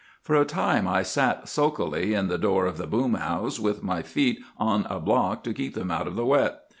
"For a time I sat sulkily in the door of the boom house, with my feet on a block to keep them out of the wet.